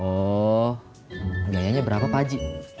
oh biayanya berapa pak haji